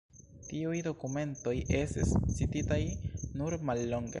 Tiuj dokumentoj estis cititaj nur mallonge.